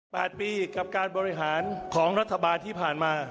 ๘ปีกับการบริหารของรัฐบาลที่ผ่านมา